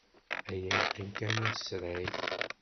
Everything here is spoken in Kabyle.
Aya yeqqim kan asrag.